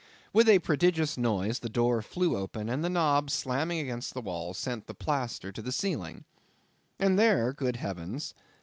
With a prodigious noise the door flew open, and the knob slamming against the wall, sent the plaster to the ceiling; and there, good heavens!